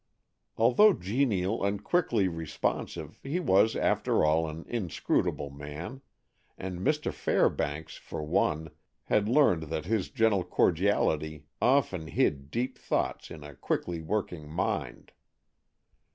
Although genial and quickly responsive, he was, after all, an inscrutable man; and Mr. Fairbanks, for one, had learned that his gentle cordiality often hid deep thoughts in a quickly working mind.